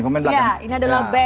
ya ini adalah back kemarin